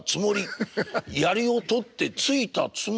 「やりを取って突いたつもり」。